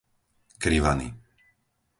Krivany